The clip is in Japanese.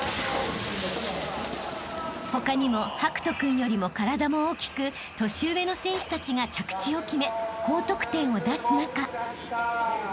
［他にも博仁君よりも体も大きく年上の選手たちが着地を決め高得点を出す中］